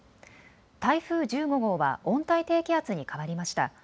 台風１５号は温帯低気圧に変わりました。